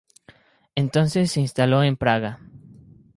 Entonces se instaló en Praga.